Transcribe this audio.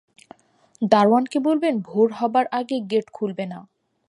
দারোয়ানকে বললেন, ভোর হবার আগে গেট খুলবে না।